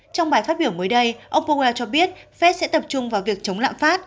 trong bài phát biểu mới đây ông powell cho biết fed sẽ tập trung vào việc chống lạm phát